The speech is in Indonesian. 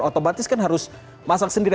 otomatis kan harus masak sendiri